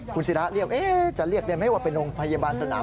คุณศิราเรียกจะเรียกได้ไหมว่าเป็นโรงพยาบาลสนาม